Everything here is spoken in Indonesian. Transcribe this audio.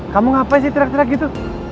kamu ngapain sih teriak teriak gitu